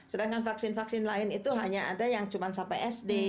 sedangkan vaksin vaksin lain itu hanya ada yang cuma sampai sd